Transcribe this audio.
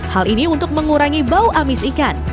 hal ini untuk mengurangi bau amis ikan